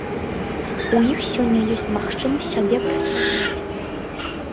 У іх сёння ёсць магчымасць сябе праяўляць.